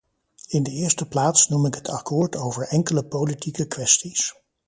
In de eerste plaats noem ik het akkoord over enkele politieke kwesties.